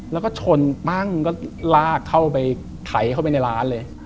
แล้วก็ชนปั้งก็ลากเข้าไปไถเข้าไปในร้านเลย